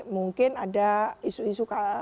mungkin ada isu isu